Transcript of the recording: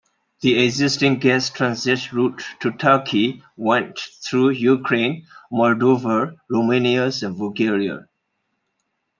The existing gas transit route to Turkey went through Ukraine, Moldova, Romania, and Bulgaria.